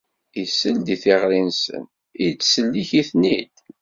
Isell-d i tiɣri-nsen, ittsellik-iten-id.